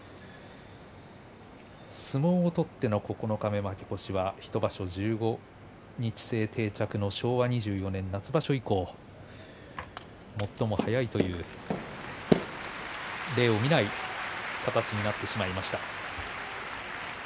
相撲を取っての九日目の負け越しは昭和２４年夏場所以来最も早い例を見ない形になってしまいました。